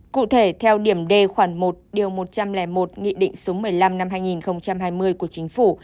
cụ thể theo điểm d khoản một điều một trăm linh một nghị định số một mươi năm năm hai nghìn hai mươi của chính phủ